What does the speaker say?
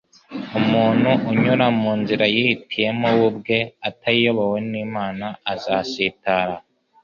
Umuntu unyura mu nzira yihitiyemo we ubwe atayiyobowemo n'Imana azasitara.